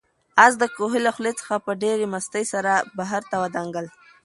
آس د کوهي له خولې څخه په ډېرې مستۍ سره بهر ته ودانګل.